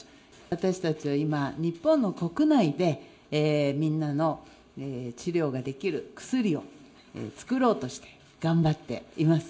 私たちは今、日本の国内で、みんなの治療ができる薬を作ろうとして頑張っています。